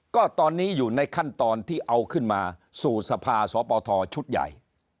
ก็ตอนนี้อยู่ในขั้นตอนที่เอาขึ้นมาสู่สภาสปทชุดใหญ่